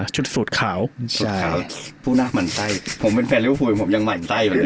ชุดสูดขาวผู้น่ามันใส่ผมเป็นแฟนเรียกว่าผู้ยังมันใส่